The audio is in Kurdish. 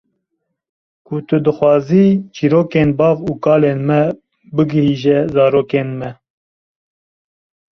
Ku tu dixwazî çirokên bav û kalên me bigihîje zarokên me.